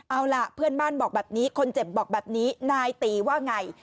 เอาล่ะเพื่อนบ้านบอกแบบนี้คนเจ็บบอกแบบนี้นายตีว่าไง